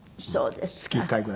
そうですか。